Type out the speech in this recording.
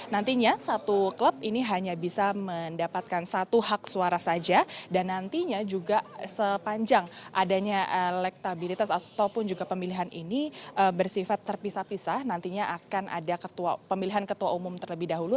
nantinya satu klub ini hanya bisa mendapatkan satu hak suara saja dan nantinya juga sepanjang adanya elektabilitas ataupun juga pemilihan ini bersifat terpisah pisah nantinya akan ada pemilihan ketua umum terlebih dahulu